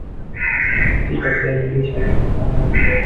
katakata viazi lishe viande vidogo